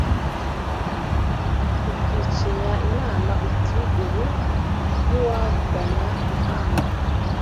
ukicinya inama uti ubu nk'uwagana ihanga